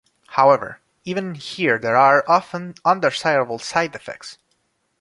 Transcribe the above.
However, even here there are often undesirable side effects.